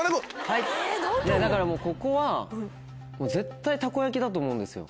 はいだからもうここは絶対たこ焼きだと思うんですよ。